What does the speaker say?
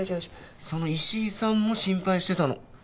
その石井さんも心配してたの。